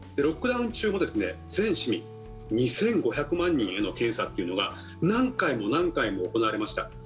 ロックダウン中も全市民２５００万人への検査というのが何回も何回も行われました。